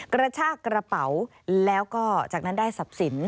กระชากระเป๋าแล้วก็จากนั้นได้ทรัพย์สิน